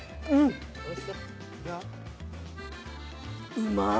うまーい！